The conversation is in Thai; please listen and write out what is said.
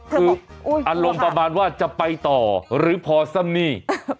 คืออารมณ์ประมาณว่าจะไปต่อหรือพอซ้ำนี่